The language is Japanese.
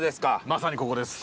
まさにここです。